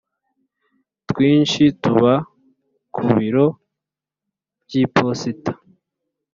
twinshi tuba ku biro by’iposita